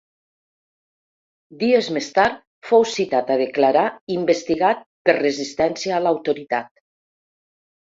Dies més tard fou citat a declarar investigat per ‘resistència a l’autoritat’.